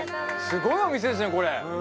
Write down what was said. すごいお店ですねこれ。